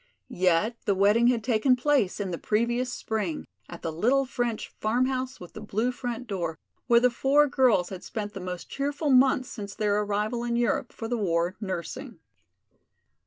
Yet the wedding had taken place in the previous spring at the little French "Farmhouse with the Blue Front Door," where the four girls had spent the most cheerful months since their arrival in Europe for the war nursing.